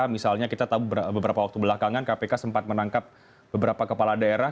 misalnya kita tahu beberapa waktu belakangan kpk sempat menangkap beberapa kepala daerah